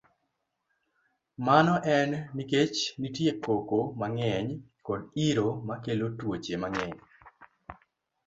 Mano en nikech nitie koko mang'eny kod iro makelo tuoche mang'eny.